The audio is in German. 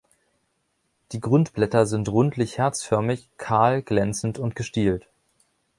Die Grundblätter sind rundlich-herzförmig, kahl, glänzend und gestielt.